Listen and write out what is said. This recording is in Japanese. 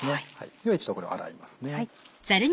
では一度これを洗います。